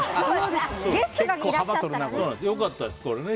ゲストがいらっしゃったらね。